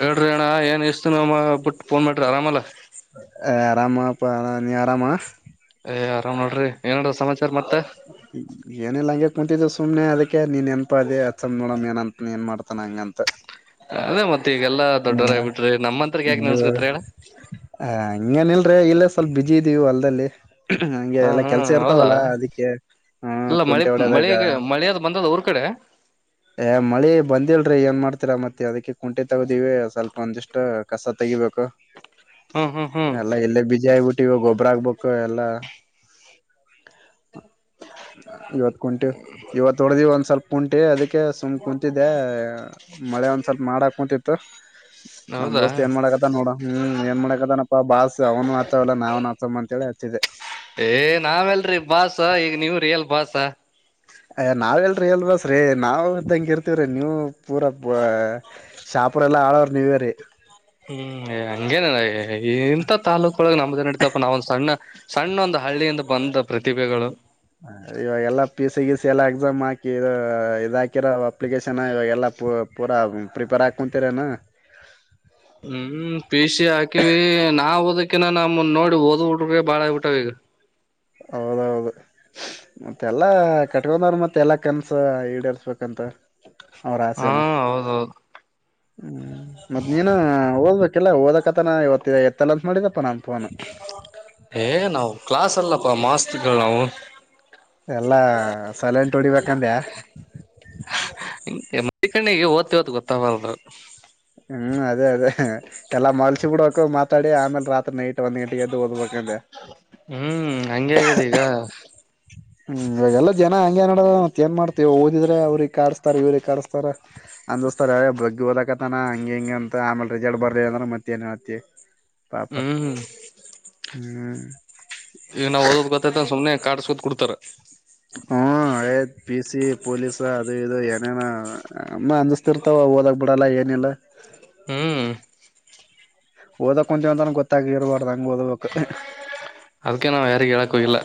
ಹೇಳ್ರಿ ಅಣ್ಣ ಏನ್ ಇಷ್ಟ ದಿನ ಮ್ಮ ಬಿಟ್ಟ ಫೋನ್ ಮಾಡ್ರಿ ಆರಾಮಲ್ಲ ಏ ಆರಾಮಾ ಪಾ ಅಣ್ಣಾ ನೀ ಆರಾಮ ಏ ಆರಾಮ್ ನೋಡ್ರಿ ಏನ್ ನಡ್ದದ ಸಮಾಚಾರ ಮತ್ತ ಏನಿಲ್ಲ ಹಂಗೆ ಕುಂತಿದ್ದೆ ಸುಮ್ನೆ ಅದಕ್ಕೆ ನೀನೆನ್ಪ ಆದೆ ಅಚ್ಚಂ ನೋಡಮ್ ಏನನ್ ಏನ್ ಮಾಡ್ತಾನ ಹಂಗಂತ ಅದೇ ಮತ್ತೆ ಈಗೆಲ್ಲಾ ಹ ದೊಡ್ಡವರ ಆಗ್ಬಿಟ್ರಿ ನಮ್ಮಂತರ್ಗ ಯಾಕೆ ನೀವು ನೆನ್ಸ್ಕತ್ರಿ ಅಣ್ಣ ಹ ಹಂಗನಲ್ ಅಂದ್ರೆ ಇಲ್ಲೇ ಸ್ವಲ್ಪ ಬಿಜಿ ಇದೀವು ಹೂಲ್ದಲ್ಲಿ ಹಂಗೆ ಹಾ ಎಲ್ಲಾ ಕೆಲ್ಸ ಹ್ಮ್ ಹೌದಾ ಇರ್ತಾವಲ್ಲಾ ಅದಿಕ್ಕೆ ಆ ಇಲ್ಲ ಮಳಿ ಕುಂಟೆ ಹೊಡದಾಗ ಮಳಿಗೆ ಮಳಿ ಅದ್ ಬಂದದ ಊರ್ ಕಡೆ ಏ ಮಳಿ ಬಂದಿಲ್ರಿ ಏನ್ ಮಾಡ್ತೀರಾ ಮತ್ತೆ ಅದಕ್ಕೆ ಕುಂಟಿ ತಗದಿವವಿ ಸ್ವಲ್ಪ ಒಂದಿಷ್ಟ ಕಸ ತಗ ಹ್ಮ್ ಹ್ಮ್ ಹ್ಮ್ ಅಲ್ಲ ಇಲ್ಲ ಬಿಜಯ ಆಬಟ್ಟ ಟ್ಟ ಗೊಬ್ಬರ ಆಗ್ಬೇಕು ಎಲ್ಲಾ ಇವತ್ ಕುಂಟಿವ ಇವತ್ತು ಹೊಡ್ದಿವವಿ ಒಂದ್ ಸ್ವಲ್ಪ ಕುಂಟಿ ಅದಿ ಕೆ ಸುಮ್ ಕುತಿದ್ದೆ ಮಳೆ ಒಂದ್ ಸ್ವಲ್ಪ ಮಾಡಾಕ್ ಕುತತ್ತು ನಮ್ ಹೌದಾ ದೋಸ್ತ್ ಏನ್ ಮಾಡಾಕತ್ತ ನೋಡ ಹ್ಮ್ ಏನ್ ಮಾಡಕದನಪ್ಪ ಬಾಸ್ ಅವನು ಆತ್ತತವಲ್ಲ ನಾವನ್ ಆತ ಅಂತ ಹೇಳಿ ಏ ನಾವ ಎಲ್ರೀ ಬಾಾಸ ಈಗ ನೀವ್ರೀ ಎಲ್ ಬಾಸ ಅಯ ನಾವ್ ಎಲ್ರರಿ ಎಲ್ಬಸ್ ನಾವವು ತಂಗ ಇರ್ತಿವ್ರೀ ನೀವು ಪೂರಾ ಶ ಅಪರ ಎಲ್ಲಾ ಆಲೋರ ನೀವೇರೆ ಹ್ಮ್ ಹಂಗೇನಲ್ಲ ಇಂಂತ ತಾಲೂಕೊಳಗೆ ನಮ್ದೇ ನಡತಪ್ಪ ನಾವೊಂದ ಸಣ್ಣ ಸಣ್ಣ ಒಂದ ಹಳ್ಳಿಯಿಂದ ಬಂದ ಪ್ರತಿಭೆಗಳು ಇವಾಗೆಲ್ಲಾ ಪಿ ಸಿ ಸಿ ಎಲ್ಲಾ ಎಕ್ಸಾಮ್ ಹಾಕಿ ಇದ ಹಾಕಿರೋ ಅಪ್ಲಿಕೇಶನ್ ಇವಾಗೆಲ್ಲಾ ಪೂರ ಪ್ರಿಪೇರ್ ಆ ಕುಂತರ ನ ಹ್ಮ್ ಪೀ ಸಿ ಹಾಕಿವಿ ನಾ ಓದಕಿನ ನಮ ನೋಡಿ ಓದ್ಡ್ರ ಬಾಳ ಆಗ್ಬಿಟ್ಟ ಈಗ ಹೌದೌದು ಮತ್ತೆಲ್ಲಾ ಕಟ್ಕೊಂಡವ್ರ ಮತ್ತೆ ಎಲ್ಲಾ ಕನ್ಸ ಈಡೇರ್ಸ್ಬೇಕಂತ ಅವ್ರ ಹಾ ಆಸೆನು ಹೌದೌದು ಹ್ಮ್ ಮತ್ ನೀನು ಓದ್ಬೇಕಲ್ಲಾ ಓದಕತನ ಇವತ್ತ ಎತ್ತಲ್ಲ ಅತ್ ಮಾಡಿದ ಏ ನಾವು ಕ್ಲಾಸ್ ಅಲ್ಲಪ್ಪ ಮಾಸ್ತಿಗಳು ನಾವು ಎಲ್ಲಾ ಸಲೆಂಟ್ ಹೊಡಿಬೇಕಂದ್ಯಾ ನಾವು ಡೀಸೆಂಟಾಗಿ ಓದ್ ಓದ್ ಗೊತ್ತಾವಲಧ್ ಹ್ಮ್ ಅದೇ ಅದೇ ಎಲ್ಲಾ ಮಲ್ಸಿ ಬಿೂಡಕ ಮಾತಾಡಿ ಆಮೇಲೆ ರಾತ್ರಿ ನೈಟ್ ಒನ್ ಗಂಟೆಗೆ ಎದು ಓದ್ಬೇಕು ಅಂದೆ ಹ್ಮ್ ಹಂಗೆ ಆಗ್ಯದ ಈಗ ಹ್ಮ್ ಇವಾಗೆಲ್ಲ ಜನ ಹಂಗಗೆನಡದ ಏನ್ ಮಾಡ್ತತಿವ ಓದಿದ್ರೆ ಅವ್ರಿಗೆ ಕಾರ್ಸ್ತ ಇವ್ರಿಗೆ ಕಾರ್ಸ್ತಾರ ನನ್ ದೋಸ್ತಾರ ಬಗ್ಗಿ ಓದು ತಾನ ಹಂಗ ಹಿಂಗ ಅಂತ ಆಮೇಲೆ ರಿಸಲ್ಟ್ ಬರ್ಲಿ ಅಂದ್ರೆ ಮತ್ತ ಹತ್ತತಿ ಹ್ಮ್ ಹ್ಮ ಹ್ಮ್ ಈಗ ನಾ ಓದೋದ ಗೊತ್ತತ ಸುಮ್ನೆ ಕಾಸ್ಕೊತ್ ಕು ಕೊಡ್ತಾರ ಹ್ಮ ಆಯ್ತ್ ಪಿ ಸಿ ಪೊಲೀಸ್ ಅದು ಇದು ಏನೇನ ಅಮ್ಮ ಅಂದಸ್ತಿರ್ತವ ಓದಾಗ ಬಿಡಲ್ಲ ಏನಿಲ್ಲ ಹ್ಮ್ ಓದಕ್ ಕುಂಂತ ಒಂತನ ಗೊತ್ತಾಗಿ ಇರ್ಬಾರ್ದಂಗ್ ಓದಬೇಕು ಅದಕ ನಾವ್ ಯಾರಿಗೆ ಹೇಳಕ್ಕ ಹೋಗಿಲ್ಲ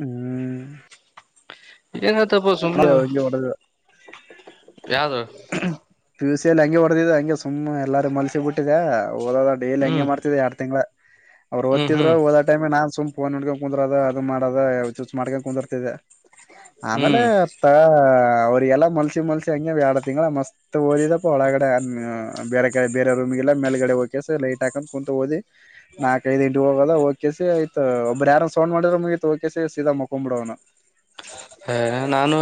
ಹ್ಮ್ ಎನ ಹೇಳ ತಿ ಇಂಗೆ ಹೊಡೆದಿದ್ದ ಯಾವ್ದು ಪ್ಯುಸಿಯಲ್ಲಿ ಹಂಗೆ ಹೊಡೆದಿದೆ ಹಂಗೆ ಸುಮನೆ ಎಲ್ಲು ಮಲ್ಸಿ ಬಿಟ್ಟಿದೆ ಓದ ಡೇಲಿ ಹಂಗೆ ಹ್ಮ್ ಮಾಡ್ತಿದೆ ಎರಡ್ ತಿಂಗ್ಳ ಅವ್ ಹ್ಮ್ ಓದ್ತಿದ್ರು ಹ್ಮ್ ಹಓದ ಟೈಮ್ ನಾನ್ ಸು ಫೋನ್ ನೋಡ್ಕೊಂಡ ಕುಂದರದ ಅದು ಮಾಡದ ಚೂಚ್ ಮಾಡ್ಕೊಂಡ ಕುಂದಿರ್ತಿದೆ ಮೇಲೆ ಹ್ಮ್ ತಾ ಅವ್ರಿಗೆಲ್ಲ ಮಲ್ಸಿ ಮಲ್ಸಿ ಹಂಗಗೆ ಎರಡು ತಿಂಗಗಳ ಮಸ್ತ್ ಓದಿದಪ್ಪ ಒಳಗಡೆ ಬೇರೆ ಕಡೆ ಬೇರೊಮ್ ಲ್ಲ ಮೇಲ್ಗಡೆ ಹೋಗಕೆ ಲೈಟ್ ಹಾಕೊಂಡ ಕ ಕುಂತ ಹದಿ ನಾಲ್ಕ್ ಐದು ಹಂಟ ಹೋಗದ ಕೆಸಿ ಆಯ್ತ್ ಒಬ್ಬ್ರ ಯಾರ ಸೌಂಡ್ ಮಾಡಿದ್ರ ಮುಗತ್ ಕಸಿ ಸೀದಾ ಮಕೊಂಡ್ ಬಿಡವ ನಾ ಹ ನಾನು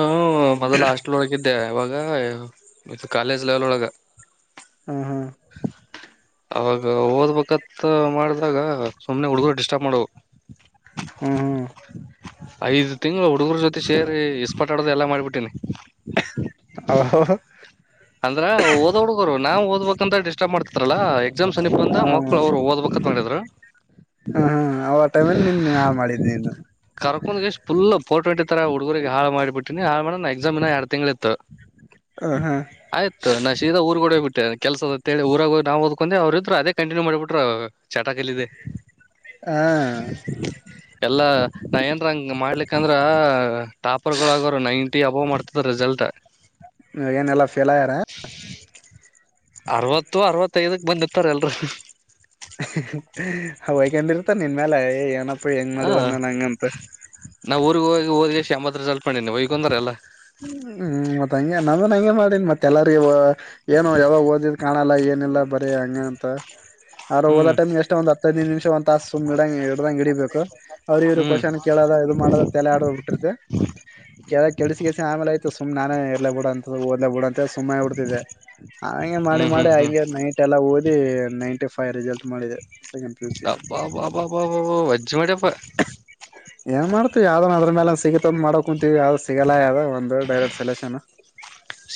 ಮೊದಲ ಅಷ್ಟಲ್ ಹಳಗಿದ್ದೆ ಇವಾಗ ಕಾಲೇಜ ಲೇವಲ್ ಒಳಗ ಹ್ಮ್ ಹ್ಮ್ ಅವಾಗ ಓದ್ಬೇಕತ್ತ ಮಾಡ್ದಾಗ ಸುಮ್ನೆ ಹುಡುಗರು ಡಿಸ್ಟರ್ಬ್ ಮಾಡವು ಹ್ಮ್ ಹ್ಮ್ ಐದ್ ತಿಂಗಳು ಹುಡುಗರ ಜೊತೆ ಸೇರಿ ಇಸ್ಪಾಟ್ ಆಡದು ಎಲ್ಲಾ ಮಾಡ್ಬಿಟ್ಟೇನಿ ಅವ್ ಅಂದ್ರ ಓದ್ ಹುಡ್ಗರು ನಾವ್ ಓದ್ಬೇಕಕ್ಂತ ಡಿಸ್ಟರ್ಬ್ ಮಾಡ್ತಿರಾರಲ್ಲಾ ಎಕ್ಸಾಮ್ನೀಪ ಹ ಬಂದ ಮಕ್ಳ ಅವ್ರು ಓದ್ಬೇಕುತ್ ಮಾಡಿದ್ರು ಹ ಹ್ಮ ಆ ಟೈಮಲ್ಲಿ ನಿನ್ ಆ ಮಾಡಿದಿ ನೀನು ಒಂದ್ಷ್ ಇಟ್ಟತಾರ ಹುಡುಗರಿಗೆಗ್ ಹಾ ಮಾಡಬ ಬಿಟ್ಟಿನಿ ಹಾಳ ಮಾಡ ನ ಎಕ್ಸಾಮ್ ಇನಾ ಎರಡ ತಿಂಗ್ಗಳ ಇತ್ತು ಹ ಹಾ ಆಯ್ತು ನಾ ಶೀದಾಊರಡೆ ಹೋಗ್ ಬಿಟ್ಟ ಕೆಲ್ಸದ ಊರ ನಾ ಓದಕೊಂಡೆ ಅವ್ರರು ಇದರು ಅದೇ ಕಂಟನ್ಯೂ ಮಾಡಬ ಬಿಟ್ಟ್ರ ಚಟ ಎಳಿದೆ ಹಾ ಎಲ್ಲಾ ನಾ ಏನ್ಂಗ ಮಾಡ್ಲಿಕ್ಕಂದ್ರ ಟಾಪರ್ ಗೋಳು ಆಗದು ನೈನ್ ಟಿ ಅಬವ್ ಮಾಡ್ತದ ರಿಜಲ್ಜಾ ಏನೆಲ್ಲಾ ಫೇಲ್ ಆಯ್ಯಾರ ಅರವತ್ತು ಅರವತ್ತೈದಕ್ ಬಂದಿರ್ತಾರೆ ಎಲ್ರು ಹಯ್ಕೊಂಡಿರ್ತ ನಿನ್ ಮೇಲೆ ಏನಪ್ಪ ಹೆಂಗ್ ಹಾ ಮಾಡಿವದ್ ನಾನ್ ಹಂಗಂತ ನಾವು ಊರ್ಗ ಹೋಗಿ ಹಓದ್ಗೆ ಶಂಬತ್ ರಿಸಲ್ಟ್ ಮಾಡಿನಿ ವೈಗಂದ್ರ ಎಲ್ಲಾ ನಂಗೆ ಮಾಡಿ ಮತ್ತೆ ಎಲ್ಲರಿಗ ಏನು ಯಾವಾಗ ಓದಿದ ಕಾಣಲ್ಲ ಏನಲ್ಲ ಬರಿ ಹಂಗ ಅಂತ ಅವ್ರ ಹೋದ ಹ್ಮ್ ಟೈಮ್ ಎಷ್ಟ ಒಂದ ಹದೈದು ನಿಮಷ ಒ ತಾಸ ಸುಡಂಗ ಹಡಂಗ ಹಡಿಬೇಕು ಅವ್ರ ಇವ್ ಹ್ಮ್ ಕ್ವಷನ್ ಕೇಳ ಇದು ಮಾಡ ತಲೆ ಆಡ್ ಬಿಟ್ಟಿರ್ತ್ತ ಕೆ ಕೆಸಿಗೆ ಆಯತು ನಾನ ಇರಲಿ ಬಿಡಂತ ದೇ ಬಿಡ ಸುಮ್ಮನೆ ಉಡ್ತಿದೆ ಹಾಗೆ ಮಾಡಿ ಹ್ಮ್ ಹ್ಮ್ ಮಾಡಿ ಹ್ಮ್ ಹಾಗ ನೈಟ್ ಎಲ್ಲಾ ಓದಿ ನೈಂಟಿ ಫ ಫೈ ರಿಸಲ್ಟ್ ಮಾಡಿದೆ ಸೆಕೆಂಡ್ ಪಿ ಯು ಸಿ ಅಬ್ಬಬ್ಬಬಬ ಅಜ್ಜು ಮಾಡಪ್ಪ ಯಾವ್ದೋ ಅದ್ರ ಮೇಲೆ ಸಿತ ಅ ಮಾಡಕ ಕುಂತೀ ಯಾವ್ ಸಿಗಲ್ಲ ಯಾವ್ದದು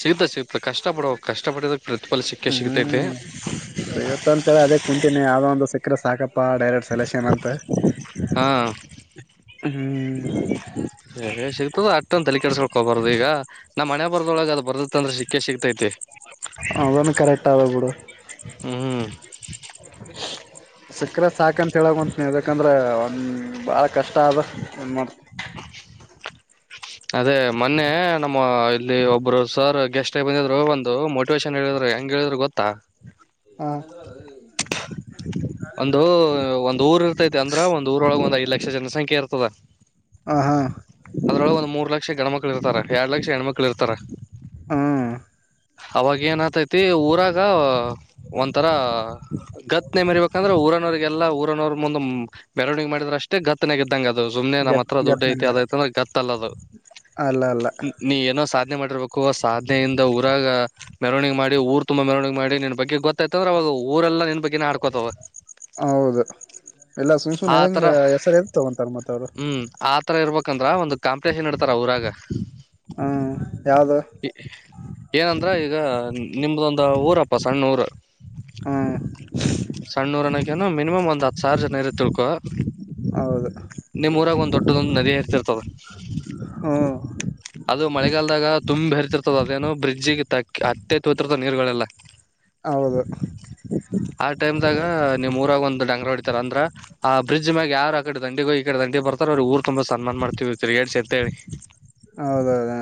ಸಿಗ್ತ ಸಿಗ್ತ ಕಷ್ಟ ಪಡುವ ಕಷ್ಟ ಪಡದಕ್ ಹ್ಮ್ ಹ್ಮ್ ಸ ಇತ್ತ ಅಂತೇಳಿ ಅದೇ ಕುಂತೀನನೆ ಯಾವ್ದೋ ಒಂದು ಸಕ್ಕರೆ ಸಾಕಪ್ಪ ಪ್ಪಾ ಡೈರೆಟ್ ಸೆಲೆಕ್ಷನ್ ಅಂತ ಹಾ ಹ್ಮ್ ಹಗೋಬಾರದು ಈಗ ನಾ್ ಮನೆ ಬದೊಳಗೆ ಅದು ಬರ್ದತ್ತ ಅಂದ್ರ ಸಿಕ್ಕೆ ಸಿಕ್ತೈತಿ ಅದನ್ನು ಕರೆಕ್ಟ್ ಆ ಬಿಡು ಹ್ಮ್ ಸಕ್ಕ್ರ ಸಾಕಂತ ಹೇಳಂತ ಯದಾಕಂದ್ರೆ ಒನ್ ಬಾಳ ಕಷ್ಟ ಆದ ಏನ್ ಮಾಡ್ತ ಅದೇ ಮೊನ್ನೆ ನಮ್ಮ ಇಲ್ಲಿ ಒಬ್ರು ಸರ್ ಗೆಸ್ಟ್ಬಂದಿದ್ರು ಒಂದು ಮೋಟಿವೇಶನ್ ಹೇಳಿದ್ರು ಹೆಂಗ್ ಹೇಳಿದ್ರೆ ಗೊತ್ತಾ ಹಾ ಒಂದು ಒಂದ್ ಊರ್ ಇರ್ತೈತಿ ಅಂದ್ರ ಒಂದ್ ಊರೊಳಗೆ ಒಂದ್ ಐ ಲಕ್ಷ ಜನಸಂಖ್ಯೆ ಇರ್ತದ ಹ ಹಾ ಅದ್ರೊಳಗೆ ಒಂದ್ ಮೂರ್ ಲಕ್ಷ ಗಣ್ಮಕ್ಳು ಇರ್ತಾರೆ ಎರಡ್ ಲಕ್ಷ ಹೆಣ್ಮಕ್ಳು ಇರ್ತಾರ ಹ್ಮ್ ಅವಾಗ ಏನ ತಿ ಊರಾಗ ಒಂಥರ ಗದನೆ ಮರಿಬೇಕಂದ್ರೆ ಊರನವರಿಗೆಲ್ಲಾ ಊ [unintelligible] ಬೆರವಣಿಗೆ ಮಾಡಿದ್ರೆ ಅಷ್ಟೇ ಗತ್ತನಾಗ ಇದ್ದಂಗಗೆ ಅದು ಸುಮನೆ ನಮ್ಮ್ ಗತ್ ಹತ್ರ ದುಡ್ಡ ಗತ್ ಐತಿ ನಂಗ ಅದ ಐಂದ್ರೆ ಗತ್ತಲ್ಲ ಅದು ಅಲ್ಲ ಅಲ್ಲ ನೀ ಏನೋ ಸಾಧನೆ ಮಾಡಿರ್ಬೇಕು ಸಾಧನೆಯಿಂದ ಮರವಿಗೆ ಮಾಡಿ ಊರ್ ತುಂಬಾ ಮೆರಣವನಿಗಿ ಮಾಡಿ ನಿನ್ ಬಗ್ಗೆ ಗೊತ್ತ್ತಂದ್ರ ಅವಾಗ ಊರೆಲ್ಲ ನನ್ ಬಗ್ಗೆ ಹಡ್ಕೊತವ ಹೌದು ಎಲ್ಲಾ ಸುಮ್ ಸುನ್ ಆ ತರ ಇದದಂಗ ಹೆಸರು ಇದತಗೊಂತಾರ ಮತ್ತ ಅವ್ರು ಯಾಕಂದ್ರ ಒಂದು ಕಾಂಪಿಟಷನ್ ಇಡ್ತಾರ ಅವ್ರಾಗ ಹ್ಮ್ ಯಾವುದು ಏನಂದ್ರ ಈಗ ನಿಮ್ದೊಂದ ಊರಪ್ಪ ಸಣ್ಣ ಊರ್ ಹೂ ಸಣ್ಣೂರನಕ್ಕ ಏನ್ ಮಿನಿಮಮ್ ಒಂದ್ ಹತ್ ಸಾವಿರ ಜನ ಇತ್ತ ಅನ್ಕೊ ಹೌದು ನಿಮ್ಮೂರಾಗ ಒಂದ್ ದೊಡ್ಡದೊಂದು ನದಿ ಹರಿಯುತ್ತದ ಹ್ಮ್ ಅದು ಮಳೆಗಾಲದಾಗ ತುಂಬಿ ಹರಿತಿರತ್ತದ ಅದೇನು ಬ್ರಿಜ್ ಜೀಗಿತ್ತ ಅತ್ಯತ್ತ್ರದ ನೀರುಗಳೆಲ್ಲ ಹೌದು ಆ ಟೈಮ್ ದಾಗ ನೀಮ್ ಊರಾಗ ಒಂದು ಡಂಗರ ಹೊಡಿತಾರ ಅಂದ್ರ ಆ ಬ್ರಿಡ್ಜ್ ಮ್ಯಾಗ ಯಾರ ಆ ಕಡೆ ದಂಡಿಗೋಗಿ ಈ ಕಡೆ ದಂಡಿ ಬರ್ತಾರ ಆ ಊರ್ ತುಂಬಾ ಸನ್ಮಾನ ಮಾಡತಿವಿ ತಿರುಗಾಡ್ಸಿ ಅಂತ ಹೇಳಿ ಹೌದೌದ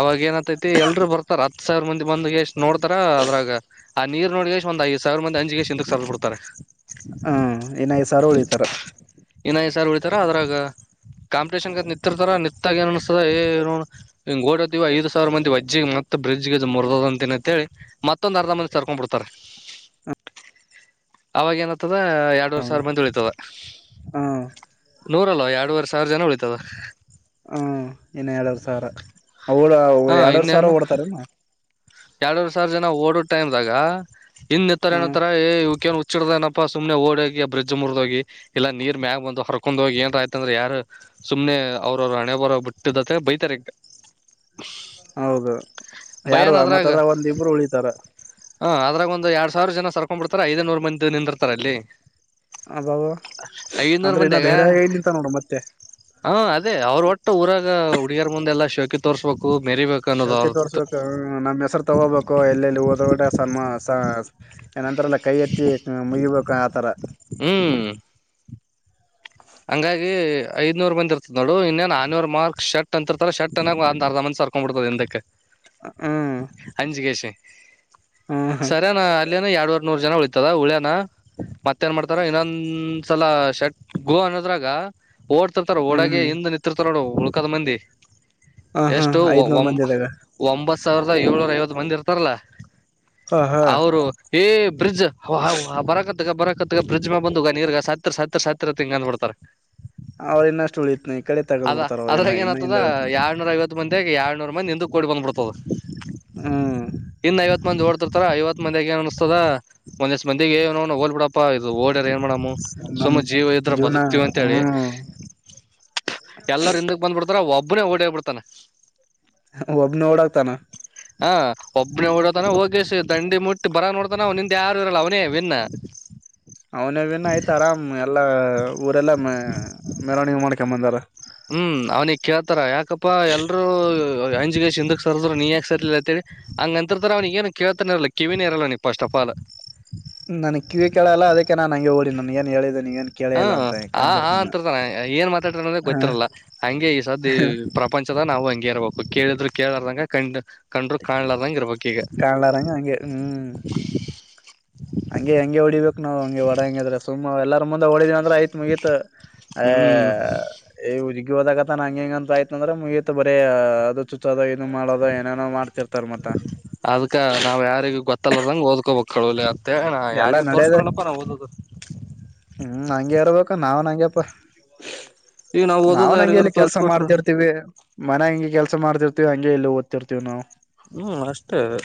ಅವಾಗ ಏನತೈತಿ ಎಲ್ರು ಬರ್ತಾರ ಹತ್ತು ಸಾವಿರ ಮಂದ ಬಂದ್ ಎಷ್ಟು ನೋಡ್ತಾರ ಅದ್ರಾಗ ಆ ನೀರ್ ನೋಡಗೆ ಅಷ್ಟು ಒಂದ ಐದು ಸಾವಿರ ಮಂದಿ ಅಂಜಿಗೆ ಕೆಸಿ ಇಂದು ಸರದ ಬಿಡ್ತಾರೆ ಹಾ ಇನ್ ಐದ್ ಸಾವಿರ ಉಳಿತಾರ ಇನ್ಐದ್ ಸಾವಿರ್ ಉಳಿತಾರ ಅದ್ರಾಗ ಕಾಂಪಿಟಷನ್ಗೆ ನಿರ್ತಾರ ನಿಂತ್ತಾಗ ಏನ್ ಅನಸತ್ ದ ಏ [unintelligible] ಓಡತ್ತೀವ ಐದು ಸಾವಿರ ಮಂದಿ ವಜ್ಜಿಗೆ ಮತ್ತತ್ ಬ್ರಿಜ್ ಗೆ ಮುರದದಂತಿನಿಂತ ಹೇಳಿ ಮತ್ತೊಂದ್ ಅರ್ಧ ಮಂದಿ ಸರ್ಕೊಂಡ್ ಬಿಡ್ತಾರ ಅವಾಗೇಏನ ಆತ್ತದ ಎರಡುವರೆ ಹ್ಮ್ ಸಾವಿರ ಮಂದಿ ಉಳಿತದ ನೂರಲ್ವಾ ಎರಡುವರೆ ಸಾವಿರ ಜನ ಉಳಿತದ ಹ್ಮ ಇನ್ನ ಎರಡುವರಿ ಸಾವಿರಾ ಅವ ಎರಡ್ರವರಿ ಸಾವಿರ ಓಡ್ತಾರೆನ್ ಎರಡರ್ ಸಾವಿರ ಜನ ಓಡೋ ಟೈಮದಾಗ ಹಿಂದ ನಿತ್ತಾವರ ಎನ ಹ್ಮ್ ಅಂತ್ತಾರ್ ಹುಚ್ಚಹಿಡದನಪ್ಪ ಸುಮನೆ ಓಡ ಹೋಗಿ ಬ್ರಿಜ್ ಮುರಿದ ಹೋಗಿ ಇಲ್ಲ ನೀರ್ ಮ್ಯಾಗ ಬಂದ್ ಹರರ್ಕೊಂಡ್ ಹೋಗಿ ಏಂತ ಆಯ್ತ ಅಂದ್ರ ಯಾರ ಸುಮ್ನೆ ಅವ್ರವರು ಹಣೆ ಬರ ಬಿಟ್ಟದತ್ತ ಬೈತಾರೆ ಈಗ ಹ ಹೌದು ಯಾರು ಭಯನ್ ಅದ್ರಾಗ ಮತ್ತ ಒಂದಿಬ್ರು ಉಳಿತಾರ ಹ ಅದರಾಗ ಒಂದು ಎರಡ್ ಸಾವಿರ ಜನ ಸರ್ಕೊಂಡ್ ಬಿಡ್ತಾರೆ ಐದನೂರು ಮಂದಿ ನಿಂದಿರ್ತಾರ ಅಲ್ಲಿ ಆಬಬ ಐದನೂರ್ ಅಂದ್ರೆ ಇನ್ನ ಧೈರ್ಯಾಗ ನಿಂತಾರ್ ನೋಡ ಮತ್ತೆ ಹಾ ಅದೇ ಅವ್ರು ಒಟ್ಟ ಊರಾಗ ಹುಡುಗಿಯರ ಮುಂದಎಲ್ಲಾ ಶೋಕಿ ತೋರ್ಸ್ಬೇಕು ಕೂ ಮೆರಿಬೇಕನ್ನೋದು ಅವರದೀತ್ತು ನಮ್ಮ ಹೆಸ್ರು ತಗೋಬೇಕು ಎಲ್ಲೆಲ್ಲಿ ಹೋದ ಕಡೆ ಸನ್ಮಾ ಸ ಏನಂತ ಎಲ್ಲ ಕೈ ಎತ್ತಿ ಮುಗಿಬೇಕ ಆತರಾ ಹ್ಮ್ ಹಂಗಾಗಿ ಐದನೂರ್ ಮಂದಿ ಇರ್ತತ್ ನೋಡು ಇನ್ನೇನ್ ಆನ ಇವರ್ ಮಾರ್ಕ್ ಶರ್ಟ್ ಅಂತಿರ್ತಾರ ಶರ್ಟ್ ಅನಗ್ ಅರ್ಧ ಮಂದಿ ಸರಕೊಂಡ ಬಿಡ್ತರ್ ಹಿಂದಕ್ ಹ್ಮ್ ಅಂಜಿ ಕೆಸಿ ಹ್ಮ್ ಹ್ಮ್ ಸರಿನಾ ಅಲ್ಲಿೇನ ಎರಡೂವರಿ ನೂರು ಜನ ಉಳಿತ್ ತದ ಉಳ್ಯನ ಮತ್ತೇನ್ ಮಾಡ್ತಾರ ಇನ್ನೊಂದ್ಸಲ ಶಟ್ ಗೋ ಅನ್ನೋದ್ರಾಗ ಓಡ್ತಿರ್ತಾರ ಓಡಗೆ ಹ್ಮ್ ಹಿಂದ್ ನಿಂತಿರ್ತಾರ ನೋಡ ಉಳ್ಕದ ಮಂದಿ ಹ ಹಾ ಎಷ್ಟು ಒ ಐದ್ನೂರ್ ಮಂದಿದಾಗ ಒಂಬತ್ತು ಸಾವಿರದ ಏಳ್ನೂರ ಐವತ್ತು ಮಂದಿ ಇರ್ತಾರಲ್ಲ ಹ ಹಾ ಅವರು ಏ ಬ್ರಿಜ್ ವಾ ವಾ ಬರಕತ್ತಗ ಬರಕತ್ತ ಬ್ರಿಜ್ ಮ್ಯಾಗ ಬಂದದ ನೀರ್ ಸತ್ರ ಸತ್ರ ಹಿಂಗ ಅಂದ್ ಬಿಡ್ತಾರ ಅವ್ರ ಇನ್ನಷ್ಟು ಉಳಿತನ ಈ ಕಡೆ ತಗದ್ ಅದ ಬಿಡ್ತಾರ ಅವ್ರ ಇನ್ನ ಅದ್ರಾಗ ಏನ ಇನ್ನ ಆ್ತದ ಹಿಂದ ಹೇಳಕಂತ ಎರ್ನೂರ ಐವತ್ತು ಮಂದಿ ಹಗ ಎರಡ್ನೂರ ಮಂದಿ ಹಿಂದ ಕೊಡಿ ಬಂದ್ ಬಿಡ್ತದ ಹ್ಮ್ ಇನ್ನ ಐವತ್ ಮಂದಿ ಓಡ್ತಿರ್ತಾರ ಐವತ್ ಮಂದಿ ಏನ್ ಅನ್ಸ ದ ಒಂದ್ ಇಸ್ ಮಂದಿಗೆ ಏ ನೋ ಹೋಗಿಲ್ಲ ಬಿಡಪ್ಪಾ ಇದು ಓಡ್ಯಾರ ಏನ್ ಮಾಡಂ ನಮ್ ಸುಮ ಜೀವ ಇದ್ರ ಜೀವನ ಬದುಕ್ತಿವಿ ಅಂತೇಳಿ ಹ್ಮ್ ಎಲ್ಲರ ಹಿಂದಕ್ ಬಂದ್ಬಿಡ್ತಾರ ಒಬ ಒಬ್ಬನ ಓಡಿ ಹೋಗಿ ಬಿಡುತ್ತಾನ ಒಬ್ಬ ನ ಓಡಿಹೋಗತಾನ ಹ ಒಬ್ಬನಿ ಓಡ ಹೋಗ ಲಿತಾನ ಹೋಗಿ ದಂಡಿ ಮುಟ್ಟಿ ಬರಾಗ ನೋಡತಾನ ಹಿಂದ್ ಯಾರ ಅವನೇ ವಿನ್ನ ಅವನಿನ ಆಯ್ತ ಆರಾಮ್ ಎಲ್ಲಾ ಊರೆಲ್ಲ ಮ ಮೆರವಣಿಗೆ ಮಾಡ್ಕೊಂಬಂದಾರ. ಹ್ಮ್ ಅವ್ನಿಗ್ ಕೇಳ್ತಾರ ಯಾಕಪ್ಪಾ ಎಲ್ರು ಅಂಜಗೇಶ್ ಹಿಂದಕ್ ಸರ್ದ್ರು ನೀ ಯಾಕ ಸರ [unintelligible] ಅಂಗ ಅಂತತರ ಅವ ಏ ಕಿವರಲ್ಲ ಕಿವಿನೇ ಇರಲ್ಲಫಸ್ಟ್ ಆಫ್ ಆಲ್ ನನ್ ಕಿವಿ ಕೇಳಲ್ಲ ಅದಕ್ಕೆ ನಾನನ್ ಹಂಗೆ ಹೋಗಿ ನನ್ ಏನ್ ಹೇಳಿದನಿ ಹ್ಮ ಆ ಹಾ ಅಂತರ್ತಾನ ಏನ್ ಮಾತಾಟಾರ ಅ ಹ ಗೊತ್ತಿರಲ್ಲ ಹಂಗೆ ಈ ಸ್ದು ಈ ಪ್ರಪಂಚ ನಾವು ಹಂಗೆ ಇರ್ಬೇಕು ಕೇಳಿದ್ರು ಕೇಳಾರದಂಗ ಕಂಡ್ ಕಂಡರು ಕಾಣ್ಲದಂಗ ಇರ್ಬೇಕಕ್ ಈಗ ಕಾಣ್ಲಾರಂಗ ಹಂಗೆ ಹ್ಮ್ ಹಂಗೆ ಹೆಂಗೆ ಹೊಳಿಬೇಕು ನಾವ್ ಹಂಗೆ ಒಡಾಂಗಿದ್ರೆ ಸು ಎಲ್ಲರ ಮುಂದೆ ಹೊಳಿದ ಹ್ಮ್ [unintelligible] ಹೋದಾಗತ ನಂ ಹ ಹೆಂಗ ಅಂತಯ್ತ ಅಂದ್ರೆ ಮುಗಿಯತ್ ಬರ ಅದು ಚುಚ್ಚ ಮಾಡೋದ ಏನೇನೋ ಮಾಡ್ತಿರ್ತಾರ ಮತ್ತ ಮತ್ತಲ್ಲರದಂಗಗೆ ಓದ್ಕೋಬೇಕಕ್ ಕೇಳ ಅತ್ತೆ ಎಲ್ಲಾ ಯಾರಿಗೆ ನಡ್ಯದ ತೋರ್ಸ್ಕೊಲ್ಲಪ್ಪ ನಾ ಓದೋದು ಹ್ಮ್ ಹಂಗೆರ್ಬೇಕ ನಾವನ್ಂಗಪ್ಪ ಈಗ ನಾವ್ ಓದೋದು ಯಾರಿಗಾರ ನಂಗಗೆಲ್ಲಿ ಕೆಲ್ಸ ತೋರ್ಸ್ಕೊಟ್ರು ಮಾಡ್ತಿರ್ತಿವಿ ಮನ್ ಹಂಗೆ ಕೆಲ್ಸ ಮಾಡ್ತಿರ್ತಿವಿ ಹಂ ಎಲ್ಲ ಓದ್ತಿರ್ತೀವಿ ನಾವು ಹ್ಮ್ ಮಾಷ್ಟಟರ್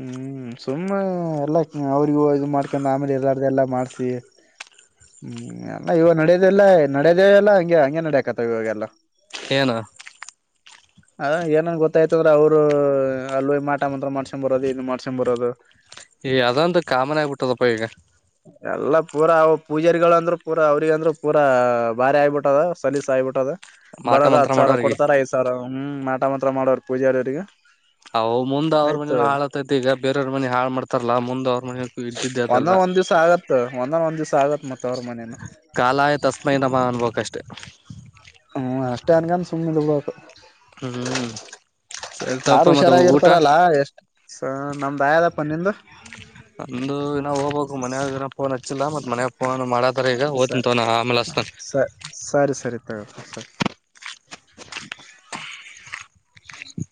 ಹ್ಮ್ ಸುಮ್ಮನೆ ಎಲ್ಲ ಅವ್ರಿಗೂ ಇದು ಮಾಡ್ಕಂಡ ಆಮೇಲೆ ಎಲ್ಲಾರ್ದ ಎಲ್ಲಾ ಮಾಡ್ಸಿ ಹ್ಮ್ ಎಲ್ಲ ಇವಾಗ ನಡದೆಲ್ಲ ನಡದೆೇ ಎಲ್ಲ ಹಂಗೆ ಹಂಗೆ ನಡಕತ ಇವಾಗೆಲ್ಲ ಏನು ಅ ಏನನ್ ಗೊತ್ತಾಯ್ತ ಅಂದ್ರ ಅವರು ಅಲ್ಲ ಮಾಟ ಮಾತ್ರ ಮಾಡ್ಸೊಂಡ್ ಬರೋದು ಇ ಮಾಡ್ಸಕೊಂಡ್ ಬರೋದು ಈ ಅದಂತ ಕಾಮನ್ ಆಗ್ಬಿಟ್ಟದಪ್ಪ ಈಗ ಎಲ್ಲಾ ಪೂರಾವು ಪೂಜಾರಿಗಳು ಅಂದ್ರೂ ಪೂರಾ ಅವ್ರಗ ಅಂದ್ರು ಪೂರ ಭಾರಿ ಆಗಿಬಿಟ್ಟದ ಸಲೀಸ ಆಗಬಿಟ್ಟದ ಮಾಟ ಬರೋದ ಮಂತ್ರ ಹತ್ ಸಾವರ ಮಾಡೋರಿಗೆ ಕೊಡ್ತಾರ ಐದ್ ಸಾವಿರ ಹ್ಮ್ ಮಾಟ ಮಾತ್ರ ಮಾಡೋರು ಪೂಜಾರ ಅವ್ರಿಗೆ ಅ ಮುಂದ್ ಅವ್ರ ಮನನು ಹಾಳತ್ತತೈದ ಈಗ ಬೇರವ್ರ ಮನೆ ಹಾಳ ಮಾಡ್ತಾರಲ್ಲಾ ಮುಂದ್ ಅವ್ರ ಮನೂ ಇದ್ದಿದ್ದೆ ಅದೆಲ್ಲ ಒಂದ ದಿವ್ಸ ಆಗುತ್ತೆ ಒಂದ ಒಂದ ಕಾಲಾಯ ತಸ್ಮೈ ನಮ್ಮ ಅನುಭವ ಕಷ್ಟೆ ಹ್ಮ್ ಅಷ್ಟೇ ಅನ್ಕನ್ ಸುಮ್ಮ್ನೆ ಇದ್ ಬಿಡಬೇಕು ಹ್ಮ್ ಹ್ಮ ಹ್ಮ ಯಾರು ಹುಷಾರಾಗಿರ್ತಾರಲ್ಲಾ ಎಷ್ಟು ನಮ್ದಾಯದಪ್ಪ ನಿಂದು ನಂದು ನಾವ ಹೋಗ್ಬೇಕು ಮನ್ ಫೋನ್ ಹಚ್ಚಿಲ್ಲ ಮತ್ ಮನಯ ಫೋನ್ ಮಾಡತಾರ ಈಗ ಸರಿ ಓ್ತವ ನ ಆಮೇಲೆತನ್ ಸ ಸರಿ ಸರಿ ತಗೋ ಸರಿ [unintelligible] ಹ